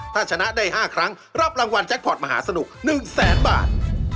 ถ้าชนะได้๕ครั้งรับรางวัลแจ็คพอร์ตมหาสนุก๑แสนบาท